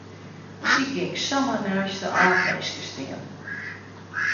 Se gyng samar neist de aapminske stean.